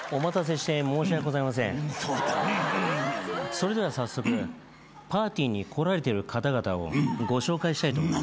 それでは早速パーティーに来られてる方々をご紹介したいと思います。